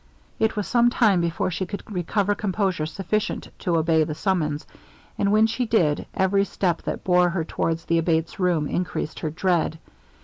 It was some time before she could recover composure sufficient to obey the summons; and when she did, every step that bore her towards the Abate's room increased her dread.